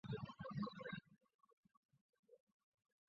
惕隐是契丹族处理契丹贵族政教事务官的名称。